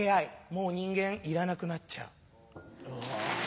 もう人間いらなくなっちゃう。